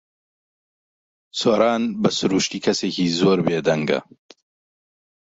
سۆران بە سروشتی کەسێکی زۆر بێدەنگە.